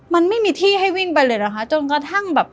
มันไม่มีที่ให้วิ่งไปเลยเหรอคะจนกระทั่งแบบ